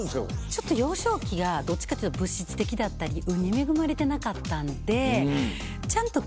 ちょっと幼少期がどっちかっていうと物質的だったり運に恵まれてなかったんで。